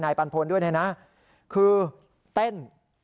นายปันพลด้วยนะคือเต้น